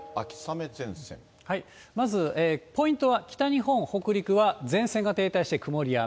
まずポイントは、北日本、北陸は前線が停滞して曇りや雨。